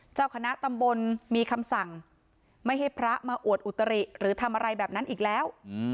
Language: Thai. เจ้าคณะตำบลมีคำสั่งไม่ให้พระมาอวดอุตริหรือทำอะไรแบบนั้นอีกแล้ว